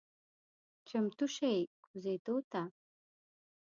چمتو شئ کوزیدو ته…